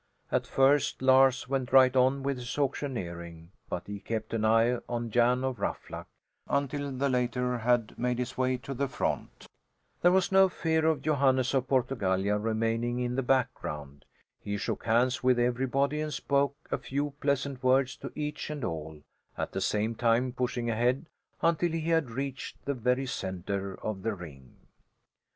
At first Lars went right on with his auctioneering, but he kept an eye on Jan of Ruffluck until the later had made his way to the front. There was no fear of Johannes of Portugallia remaining in the background! He shook hands with everybody and spoke a few pleasant words to each and all, at the same time pushing ahead until he had reached the very centre of the ring.